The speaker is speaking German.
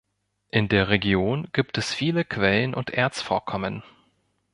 In der Region gibt es viele Quellen und Erzvorkommen.